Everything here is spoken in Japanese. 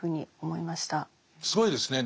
すごいですね。